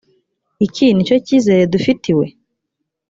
iki ni cyo cyizere dufitiwe?